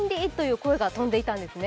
声が飛んでいたんです。